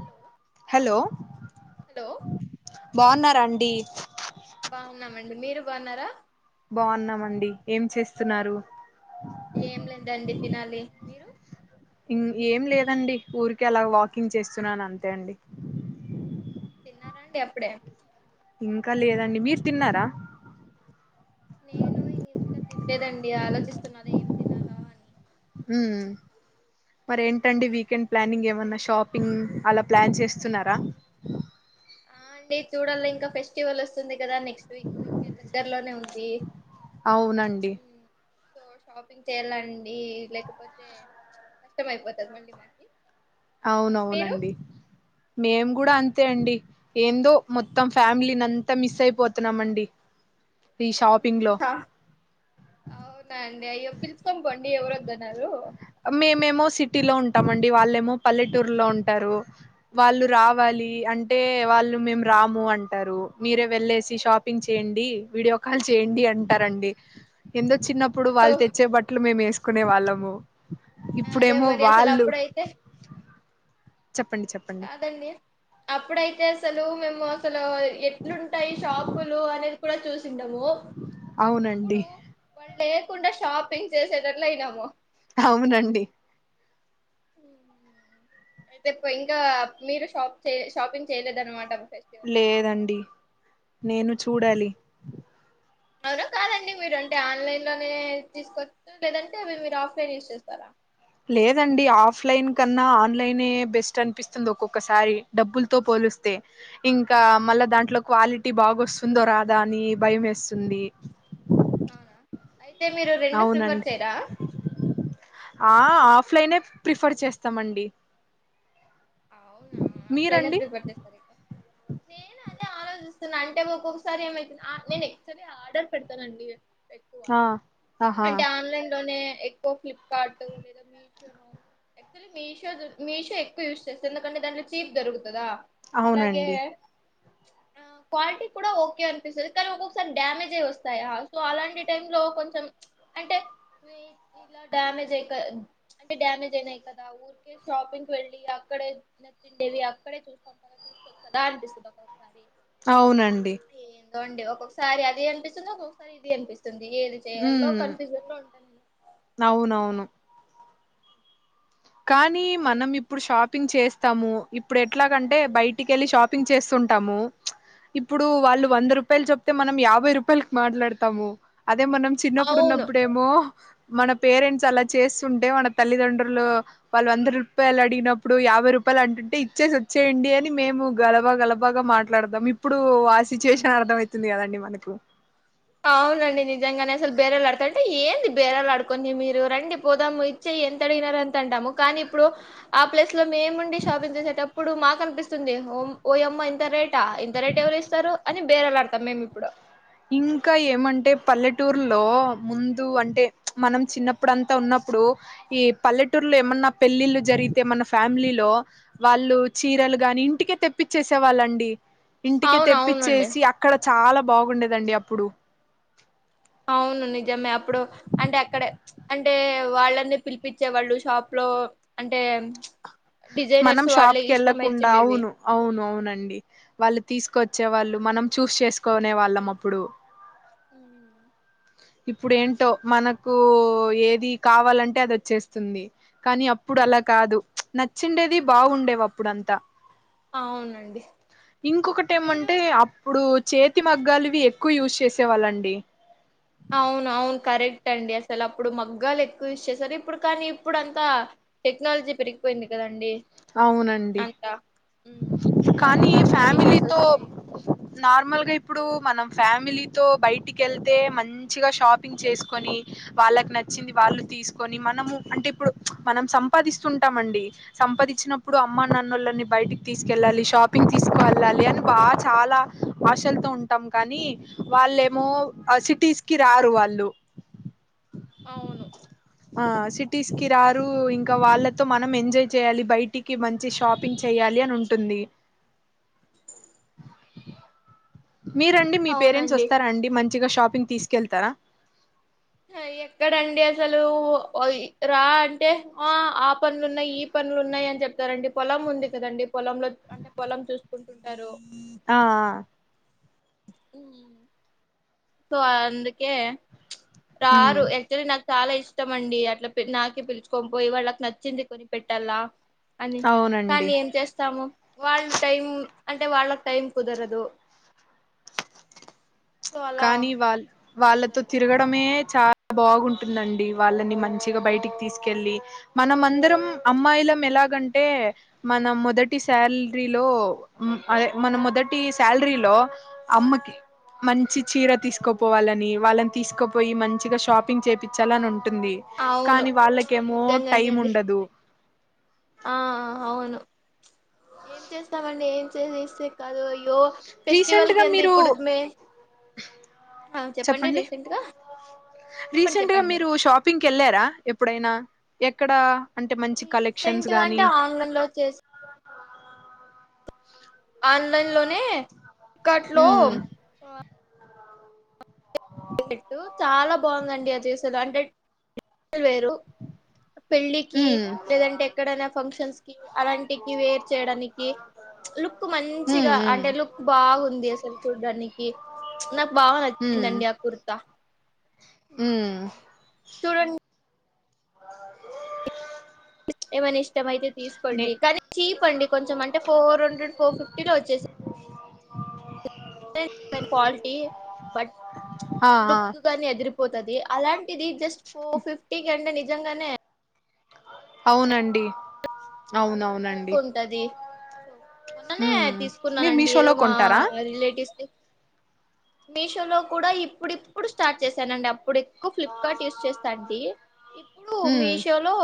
Hello hello hello బాగున్నారాండ్ అండి డి మీరు బాగున్నారా బాగున్నామండి ఏం చేస్తున్నారు ఏం లేదండి తినాలి మీరు ఇ ఏం లేదండి ఊరికి అలాగ వాకింగ్ చేస్తున్నాను అంతే అండి తిన్నారాండి అప్పుడే ఇంకా లేదండి మీరు తిన్నారా నేను ఇంకా తిండేదండి ఆలోచిస్తున్నా అదే ఏం తినాలా అని ఉ మరిేంటండి వీకెండ్ ప్లానింగ్ ఏమన్నా షాపింగ్ అలా ప్లాన్ చేస్తున్నారా ఆ అండి చూడల్ ఇంకా ఫెస్టివల్ వస్తుంది కదా నెక్స్ట్ వీక్ ఇంకెంత దగ్గరలోనే ఉంది అవునండి సో షాపింగ్ చేయాలండి లేకపోతే కష్టం అయిపోతది మళ్ళీ మాకి మీరు అవునవునండి మేము కూడా అన్ అంతే అండి ఏందో మొత్తం ఫ్యామిలీని అంతా మిస్ అయిపోతున్నామఅండి అవునండి అయ్య పిలుచకొ అండి ఎవరు వధనారు మేమేమో సిటీలో ఉంటామండి వాళ్ళేమో పల్లెటూరులో ఉంటారు వాళ్ళు రావాలి అంటే వాళ్ళు మేము రాము అంటారు మీరే వెళ్ళేసి షాపింగ్ చేయండి వీడియో కాల్ చేయండి అంటారండి ఎందు చిన్నప్పుడు వాళ్ళు తెచ్చే బట్టలు మే వేసుకు కునే వాళ్ళము అదే ఇప్పుడేమో మరి అసలు వాళ్ళు అప్పుడైతే చెప్పండి చెప్పండి కాదండి అప్పుడే అయతే అసలు మేము అసలు ఎట్లుంటాయి షాపులు అనేది కూడా చూసి ము అవునండి ఇప్పుడు వాళ్ళ లేకుండా షాపింగ్ చేసేటట్లు అయినాము అవునండి అయితే ఇంకా మీరు షాప్ షాపింగ్ చేయలేదన్నమాట ఫెస్టివల్ కి లేదండి నేను చూడాలి అవునా కాదండి మీరు అంటే ఆన్లైన్ లోనే తీసుకొచ్చు లేదంటే మీరు ఆఫ్లైన్ యూజ్ చేస్తారా లేదండి ఆఫ్లైన్ కన్నా ఆన్లైనే బెస్ట్ అనిపిస్తుంది ఒక్కొక్కసారి డబ్బులతో పోలిస్తే ఇంకా మళ్ళా దాంట్లో క్వాలిటీ బాగా వస్తుందో రాదా అని భయం వేస్తుంది అవునా అయితే మీరు రెండు ప్రిఫర్ అవునండి చేయరా ఆ ప్లనే ప్రిఫర్ చేస్తామండి అవునా ఆఫ్లైనే మీరండి ఫ్రీ పర్తస్త సార్ ఇకా నేను అదే ఆలోచిస్తున్నా అంటే ఒక్కొక్కసారి ఏమైతు నేను ఎక్చువలీ ఆర్డర్ పెడతానండి పె ఆ ఆహా అంటే ఆన్లైన్ లోనే ఎక్కువ ఫ్లిప్కార్ట్ లేదా మీషో యాక్చులీ మీషో మీషో ఎక్కువ యూస్ ఎందుకంటే దాంట్ చీప్ దరుగుతుందా అవునండి ఆ క్వాలిటీ కూడా ఓకే అనిపిస్తుంది కానీ ఒక్కొక్కసారి డ్యామేజ్ అయి వస్తాయా సో అలాంటి టై లో కొంచెం అంటే ఇలా డ్యామేజ్ అయి అంటే డ్యామేజ్ అయినాయి కదా ఊరికే షాపింగ్కి వెళ్ళి అక్కడే నచ్చిండేవి అక్కడే చూసుకుంట తీసుకొచ్చదా అనిపిస్తుంది ఒకొక్కసారి అవునండి అదోడి ఒక్కొక్కసారి అది అనిపిస్తుంది ఒక్కొక్కసారి ఇది అనిపిస్తుంది ఏది చేయాలో ఉమ్ కన్ఫ్యూజన్ లో ఉంటాను నేను అవునవును కానీ మనం ఇప్పుడు షాపింగ్ చేస్తాము ఇప్పుడు ఎట్లాగంటే బయటికి వెళ్ళి షాపింగ్ చేస్తుంటాము ఇప్పుడు వాళ్ళు వంద రూపాయలు చెప్తే మనం యాభై రూపాయలకి మాట్లాడతాము అదే మనం చిన్నప్పుడు అవును ఉన్నప్పుడేమో మన పేరెంట్స్ అలా చేస్తుంటే మన తల్లిదండ్రులు వాళ్ళు వంద రూపాయలు అడిగినప్పుడు యాభై రూపాయలు అంటుంటే ఇచ్చేసి వచ్చేయండి అని మేము గలబా గలబాగా మాట్లాడదాం ఇప్పుడు ఆ సిచ్యువేషన్ అర్థ అయితుంది కదండి మనకు అవునండి నిజంగానే అసలు బేరేళ ఆడతా అంటే ఏంది బేరేలు ఆడుకడి మీరు రండి పోదాము ఇచ్చే ఎంత అడిగినారు అంత అంటాము కానీ ఇప్పుడు ఆ ప్లేస్ లో మేముండి షాపింగ్ చేసేటప్పుడు మాకు నిపిస్తుంది ఓయమ్మ ఇంత రేటా ఇంత రేట్ ఎవరు ఇస్తారు అని బేరేలాడతాం మేము ఇప్పుడు ఇంకా ఏమంటే పల్లెటూర్లో ముందు అంటే మనం చిన్నప్పుడంతా ఉన్నప్పుడు ఈ పల్లెటూర్లో ఏమన్నా పెళ్ళిళ్ళు జరిగితే మన ఫ్యామిలీలో వాళ్ళు చీరలు గాని ఇంటికే తెప్పిచ్చేసే వాళ్ళండి ఇంటికి అవును అవునండి తెప్పిచ్చేసి అక్కడ చాలా బాగుండేది దండి అప్పుడు అవును నిజమే అప్పుడు అంటే అక్కడ అంటే వాళ్ళన్నీ పిలిపచ్చేవాళ్ళు షాప్ లో అంటే మనం డిజైనర్స్ వాళ్ళే షాప్కి వెళ్ళకుండా ఇష్టమైతుండేవి అవును అవును అవునండి వాళ్ళ తీసుకొచ్చే వాళ్ళు మనం చూస్ చేసుకోనే వాళ్ళం అప్పుడు ఉ ఇప్పుడు ఏంటో మనకు ఏది కావాలంటే అది వచ్చేస్తుంది కానీ అప్పుడు అలా కాదు నచ్చిండేది బాగుండేవి అప్పుడ అంతా అవునండి ఇంకొకటి మీరు ఏమంటే అప్పుడు చేతి మగ్గాలువి ఎక్కువ యూస్చేసేవాళ్ళండి అవును అవును కరెక్ట్ అండి అసలు అప్పుడు మగ్గాలు ఎక్కువ స్ చేసారు ఇప్పుడు కానీ ఇప్పుడు అంతా టెక్నాలజీ పెరిగిపోయింది కదండి ఉమ్, అవునండి అంతా ఉమ్, సో అలాగ కానీ అంతా మిషన్స్ ఫ్యామిలీతో వచ్చాయి నార్మల్గా ఇప్పుడు మనం ఫ్యామిలీతో బయటికి వెళ్తే మంచిగా షాపింగ్ చేసుకొని వాళ్ళకి నచ్చింది వాళ్ళు తీసుకొని మనము అంటే ఇప్పుడు మనం సంపాదిస్తుంటాం అండి సంపాది వచ్చినప్పుడు అమ్మ నన్నుళ్ళని బయటికి తీసుకెళ్ళాలి షాపింగ్ తీసుకు వెళ్ళాలి అని బాగా చాలా ఆశలతో ఉంటాం కానీ వాళ్ళేమో సిటీస్ కి రారు వాళ్ళు అవును ఆ సిట్ తీస్ క రారు ఇంకా వాళ్ళతో మనం ఎంజాయ్ చేయాలి బయట ఇటికి మంచి షాపింగ్ చెయాలి అని ఉంటుంది మీరండి మీ పేరెంట్స్ అవునండి వస్తారా అండి మంచి మచ్చగా షాపింగ్ తీసుకెళ్తారా ఎక్కడండి అసలు రా అంటే ఆ ఆ పనులున్నాయి ఈ పనులు ఉన్నాయి అని చెప్తారండి పొలం ఉంది కదండి పొలంలో అంటే పొలం చూసుకుంటుంటారు ఆ ఆ. ఉ సో అందుకే హ్మ్ రారు ఎంత నా చాలా ఇష్టం అండి అట్లా నాకే పిలుచుకని పోయయి వాళ్ళకి నచ్చింది కొని పెట్టాల అని అవునండి కానీ ఏం చేస్తాము వాళ్ళు టైం అంటే వాళ్ళకు టైం కుదరదు సో అలా కానీ వాళ వాళ్ళతో కుదరదు తిరగడమే చాలా బాగుంటుందండి వాళ్ళని మంచిగా బయటికి తీసుకెళ్ళి మనం అందరం అమ్మాయిల ఎలాగంటే మన మొదటి శాలరీలోదే మన మొదటి శాలరీలో అమ్మకి మంచి చీర తీసుకోపోవాలని వాళ్ళని తీసుకోపోయి మంచిగా షాపింగ్ చేయిించాలని ఉంటు ఉంటుంది అవును కానీ వాళ్ళకేమో నిజంగానే టైం అండి ఉండదు ఆ అవును ఏం చేస్తామండి ఏం చే ఇస్తే కాదు అయ్యో ఫెస్టివల్ కి రీసెంట్గా ఎంత మీరు ఇప్పుడు మే ఆ చెప్పండి రీసెంట్ గా చెప్పండి రీసెంట్గా చెప్పండి మీరు షాపింగ్కి వెళ్ళారా ఎప్పుడైనా ఎక్కడా రీసెంట్గా అంటే అంగన్లో ఒచ్చేస్ ఆన్లైన్ లోనే కట్ లో ఉమ్ ట్టు చాలా బాగుందండి అద్ చేసేలో అంటే వేరు పెళ్ళికి ఉమ్ లేదంటే ఎక్కడైనా ఫంక్షన్స్ కి అలాంటికి వేర్ చేయడానికి లుక్ ఉమ్ మంచిగా ఉమ్ అంటే లుక్ బాగుంది అస్. సెల్ చూడ్డానికి నాకు బాగా ఉమ్ నచ్చిందండి ఉమ్ చూడండి [unintelligible] ఎ మనిష్ టమయితే నే తీసుకోండి కానీ చీప్ అండి కొంచెం అంటే ఫోర్ హండ్రెడ్ ఫోర్ ఫిఫ్టీలో వచ్చేస్ ఫెన్ క్వాలిటీ బట్ ఆ ఆ లుక్ గాని ఎదిరిపోత్ తది అలాంట్ ఇది జస్ట్ ఫోర్ ఫిఫ్టీకి అంటే నిజ జంగానే అవునండి అవునవునండి తక్కువ ఉంటది మొన్ననే ఉమ్ మీరు తీసుకున్నానండి ఏదో మీషోలో మా కొంటారా రిలేటివ్స్ ని మీషోలో కూడా ఇప్పుడిప్పుడు స్టార్ట్ చేసానండి అప్పుడు ఎక్ క్కు ఫ్లిప్కార్ట్ యూస్ చేస్తాంటి ఇప్పుడు ఉమ్ మీషో లో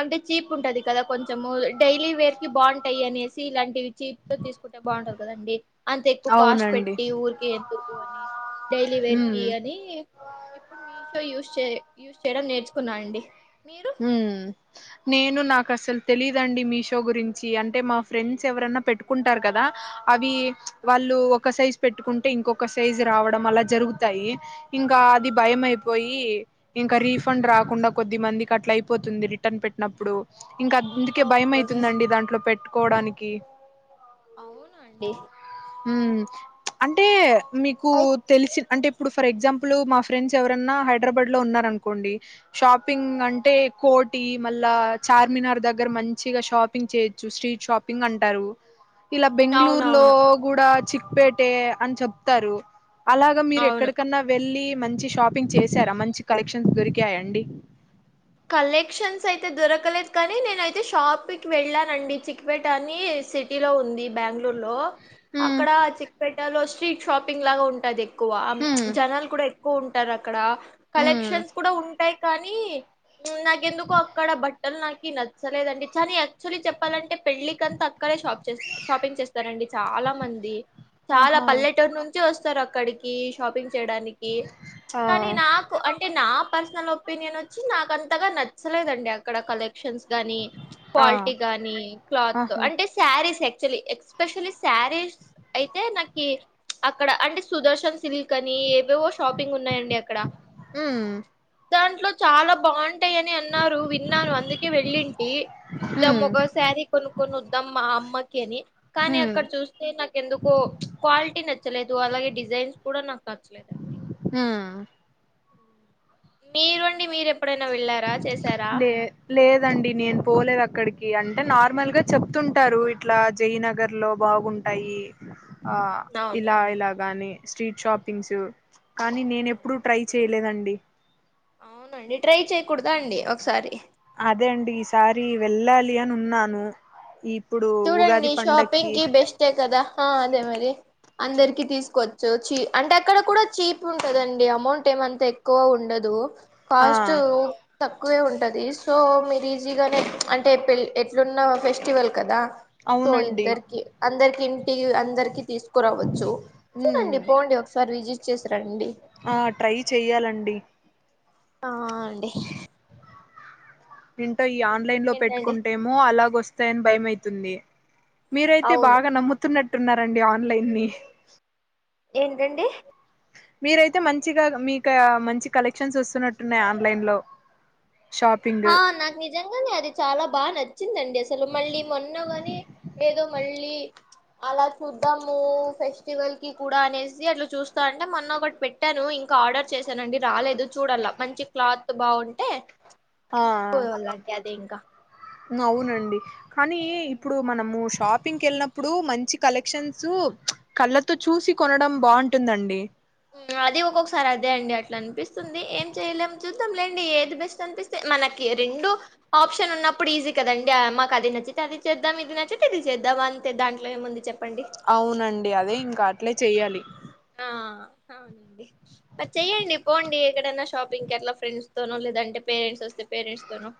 అంటే చీప్ ఉంటది కదా కొంచ్ చము డైలీ వేర్ కి బాగుంటాయి అనేసి ఇలాంటివి చీప్ తీసుకుంటే బాగుంటది కదండి అంత ఎక్కు కాస్ట్ అవునండి పెట్టి ఊరికి ఎదుకు అని డైలీ వేర్ కి ఉమ్ అని ఇప్పుడు మీ షో యూస్చే యూస్ చేయడం నేర్చుకున్నా అండి మీరు హమ్మ్ నేను నాక్ కసల్ తెలీదుండి మీషో గురించి అంటే మా ఫ్రెండ్స్ ఎవరైన్నా పెట్టుకుంటారు కదా అవి ఆ వాళ్ళు ఒక సైజ్ పెట్టుకుంటే ఇంకొక సైజు రావడం అలా జరుగుతాయి ఇంకా అది ఆ భయం అయిపోయి ఇంకా రీఫ్ ఫండ్ రాకుండా ఆ కొద్ది మంది అట్ల అయిపోతుంది రిటర్న్ పెట్టినప్పుడు ఇంకా అందుకే భయం ఓకే ఓకే అయితుందండి దాంట్లో పెట్ట కోడానికి అవున అండి ఉమ్ అంటే మీకు తెలిసిన అంటే ఇప్పుడు ఫర్ ఎగ్జాంపుల్ మా ఫ్రెండ్స్ ఎవరన్నా హైదరాబాద్ లో ఉన్నార అనుకోండి షాపింగ్ అం టే కోటి మళ్ళా చార్మినార్ దగ్గర మంచిగా షాపింగ్ చేయొచ్చు స్ట్రీట్ షాపింగ్ అంటారు ఇలా బెంగళూరు లో అవునవును గుడా చిక ప్పేటే అన చెప్తారు అలాగా మీరు అవును ఎక్కడికన్నా వెళ్ళి మంచి షాపింగ్ చేసారా మంచి కలెక్షన్స్ దొరికాయండి కలెక్షన్స్ అయితే దొరకలేదు కానీ నేనయితే షాప్కి వెళ్ళానండి చిక్పేట అని సిటీ లో ఉంది బ్యాంగ లూర్లో హ్మ్ అక్కడ చిక్కెప్పేట టాలో స్ట్రీట్ షాపింగ్ లాగా ఉంటాది కువా అమ్ హ్మ్ జనాల్లు కూడా కుంటార్క్ క్కడా హ్మ్ కలెక్షన్స్ కూడా ఉంటాయి కానీ ఉమ్ నాకెందుకో అక్కడ బట్టలు నాకి నచ్చలేదండి చని యాక్చువలీ చెప్పాలంటే పెళ్లికంతా అక్కడే షప్ షాపింగ్ చేస్తారండి చాలా మంది చాలా ఆహా పల్లెటూరు నుంచి వస్తు సార్ అక్కడికి షాపింగ్ చేయడానికి ఆ కానీ నాకు అంటే నా పర్సనల్ ఒపీనియన్ వచ్చి నాక కాంతగా నచ్చలేదండి అక్కడ కలెక్షన్స్ గాని ఆ క్వాలిటీ గానీ క్లాత్ ఆహా అంటే సారీస్ ఎ చలీ ఎక్స్పెషలీ సారీస్ అయితే నాకి అక్కడ అంటే సుదర్శన్ సిల్ కానీ ఏవేవో షాపింగ్ ఉన్నాయండి అక్కడ హ్మ్ దాంట్లో చాలా బాండ టాయ్ అని అన్నారు విన్నాను అందుకే వెళ్ళింటి చూద్దాం హ్మ్ ఒక శారీ కొనుక్కొని వద్దాం మా అమ్మకి అని కానీ హ్మ్ అక్కడ చూస్తే నాకు ఎందుకో క్వాలిటీ నచ్చలేదు ధో అలాగే డిజైన్స్ కూడా నా క నచ్చలేదు అండి హ్మ్ మీరుండి మీరు ఎ లే లేదండి నేను పోలేదు అక్కడికి అంటే నార్మల్ గా చెప్తుంటారు ఇట్లా జయనగర్ లో బాగుంటాయి ఆ ఇలా అవునవును ఇలాగాని స్ట్రీట్ షాపింగ్సు కానీ ఆ నేన ఎప్పుడుూ ట్రై చే చేయలేదండి అవునండి ట్రై చేయకూడదా అండి ఒకసారి అదే అండి ఈసారి వెళ్ళాలి అని ఉన్నాను ఈ చూడండి షాపింగ్ కి బెస్టే కదా ఆ అదే మరి అందరికి తీసుకోవచ్చు చీ అంటే అక్కడ కూడా చీప్ ఉంటదండి అమౌంట్ ఏమంత ఎక్కువ ఉండదు ఆ కాస్ట్ త ఎక్కువే ఉంటది సో మీరు ఈజీగానే అంటే పె ఎట్లున్న ఫెస్టివల్ కదా సో అవునండి ఇద్దరికి అందరికి ఇంటి అందరికీ తీసుకురావచ్చు ఉమ్ చూడండి పోండి ఒకసారి విజి వచ్చేస రండి ఆ ట్రై చెయ్యాలండి ఆ అండి ఏంటో ఈ మరి ఆన్లైన్ లో ఇంకేంటండి పెట్టుకుంటేమో అలాగ వస్తాయని భయమయి తున్ని మీరయితే అవును బాగా నమ్ముతున్నట్టు అంటున్నారండి ఆన్లైన్ ని ఏంటండి మీరైతే మంచిగా మీకా మంచి కలెక్షన్స్ వస్తున్నట్టున్నాయి ఆన్లైన్ లో షాపింగ్ ఆ నాకు నిజంగానే అది చాలా బా నచ్చిందండి అసలు మళ్ళీ మొన్న కాని ఏదో మళ్ళీ అలా చూద్దాము ఫెస్టివల్ కి కూడా అనేసి అట్లా చూస్తా అంటే మొన్న ఒకటి పెట్టాను ఇంకా ఆర్డర్ చేశానండి రాలేదు చూడాల్లా మంచి క్లాత్ బావుంటే ఆ ఇసుకో లా అదింక అవునండి కానీ ఇప్పుడు మనము షాప్ ప్పింగ్కి వెళ్ళినప్పుడు మంచి కలెక్షన్సు కళ్ళతో చూసి కొనడం బాగుంటుందండి అది ఒక్కొక్కసారి అదే అండి అట్లా అనిపిస్తుంది ఏం చెయలేం చూద్దాం లేండి ఏది బెస్ట్ అనిపిస్తే మనకి రెండు ఆప్షన్ ఉన్నప్పుడు ఈజీ కదండి మాకు అది నచ్చితే అది చేద్దాం ఇది నచ్చితే ఇది చేద్దాం అంతే దాంట్లో ఏముంది చెప్ అవునండి అదే ఇంకా అట్లే చేయాలి ఆ చెయ్యండి పోండి ఎక్కడైనా షాపింగ్కి ఎట్లా ఫ్రెండ్స్ తోనో లేదంటే పేరెంట్స్ వస్తే పేరెంట్స్ తోనో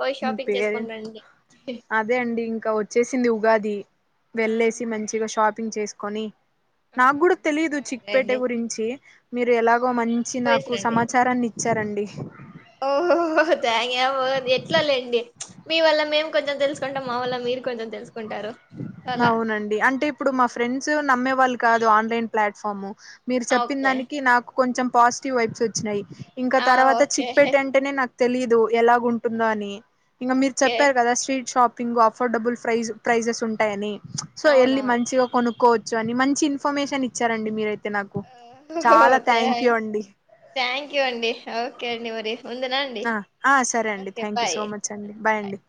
పోయి షాపింగ్ పేరు చేసుకొని రండి అదే అండి ఇంకా వచ్చేసింది ఉగాది ఆ వెళ్ళేసి మంచిగా షాప్ ప్పింగ్ చేసుకొని ఆ నాకు కూడా తెలీదు సరే చిక్పేట అండి గురించి మీరు ఎలాగో అవునా మంచి నాకు సమాచారాన్ని ఇచ్చారండి ఓహోహో థ్యా కా పో ఎట్లాలేండి ప్చ్ మీ వల్ల మేం కొంచెం తెలుసు కుంటాం మా వల మీర్ కొంచెం తెలుసు కుంటారు అవునండి అంటే ఇప్పుడు మా ఫ్రెండ్స్ నమ్మే వాళ్ కాదు ఆన్లైన్ ప్లాట్ఫాము మీరు చెప్పిన ఓకే దానికి నాకు కొంచెం పాజిటివ్ వైబ్స్ వచ్చినాయి ఇంకా ఆ తర్వాత ఓకే చిక్పెట్ అంటేనే నాకు తెలిదు ఎలాగ ఉంటుందో అని ఇంకా మీరు ఓకే చెప్పారు కదా street shopping affordable price prices ఉం టెనీ సో ఎళ్ళి అవునవును మంచిగ కొను కోవచ్చు అని మంచి ఇన్ఫర్మేషన్ ఇచ్చారండి మీరయి ఆ తయ అండి థ్యాంక్ యూ అండి ఓకే అడి మరి ఉందునా అండి ఆ సరే అండి okay thank you bye so much అండి బాయ్ అండి